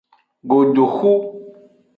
Godoxu.